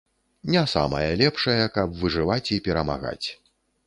Не самая лепшая, каб выжываць і перамагаць.